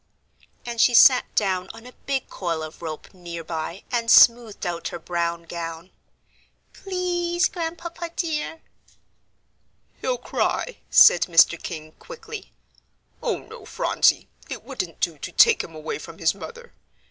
And she sat down on a big coil of rope near by and smoothed out her brown gown. "Please, Grandpapa dear." "He'll cry," said Mr. King, quickly. "Oh, no, Phronsie, it wouldn't do to take him away from his mother.